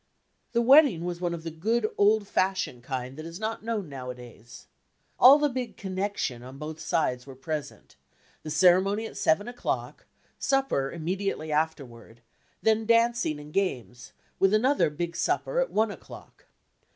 The wedding was one of the good, old fashioned kind that is not known nowadays. All the big "connection" on both sides were present, the ceremony at seven o'clock, supper immediately afterward, then dancing and games, with another big supper at one o'clock.